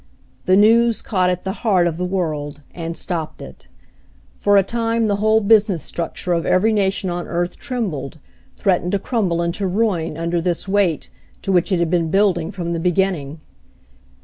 The news caught at the heart of the world, and stopped it. For a time the whole business structure of every nation on earth trembled, threatened to crumble into ruin, under this weight, to which it had been building from the beginning.